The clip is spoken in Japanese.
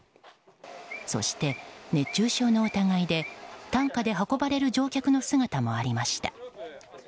そして、熱中症の疑いで担架で運ばれる乗客の姿もありました。